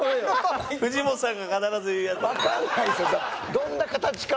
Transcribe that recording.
どんな形かも。